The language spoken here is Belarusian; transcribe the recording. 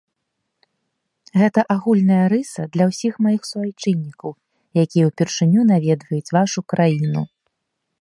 Гэта агульная рыса для ўсіх маіх суайчыннікаў, якія ўпершыню наведваюць вашу краіну.